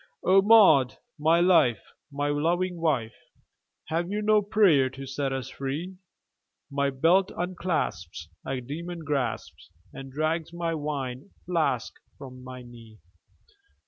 "O Maud, my life! my loving wife! Have you no prayer to set us free? My belt unclasps, a demon grasps And drags my wine flask from my knee!"